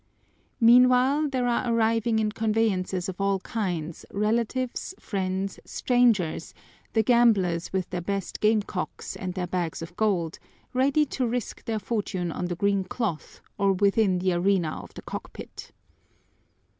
Meanwhile, there are arriving in conveyances of all kinds relatives, friends, strangers, the gamblers with their best game cocks and their bags of gold, ready to risk their fortune on the green cloth or within the arena of the cockpit.